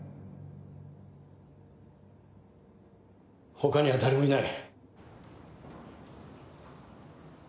他には誰もいない。